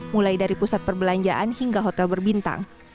mulai dari pusat perbelanjaan hingga hotel berbintang